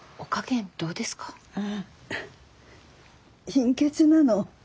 貧血なの。